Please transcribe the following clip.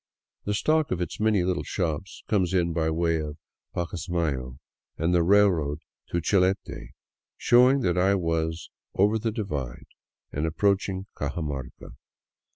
The stock of its many little shops comes in by way of PacasmayC and the railroad to Chilete, showing that I was " over the divide " and approaching Cajamarca.